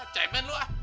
cemen lu ah